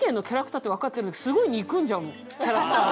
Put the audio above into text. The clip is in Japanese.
私キャラクターを。